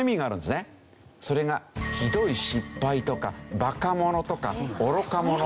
それが「ひどい失敗」とか「ばか者」とか「愚か者」。